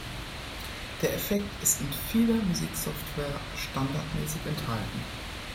Der Effekt ist in vieler Musiksoftware standardmäßig enthalten.